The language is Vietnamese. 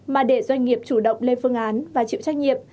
mà để doanh nghiệp chủ động lên phương án và chịu trách nhiệm